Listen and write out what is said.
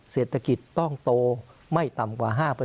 เศรษฐกิจต้องโตไม่ต่ำกว่า๕